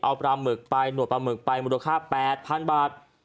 เอาปลาหมึกไปหนวดปลาหมึกไปมูลค่า๘๐๐๐บาท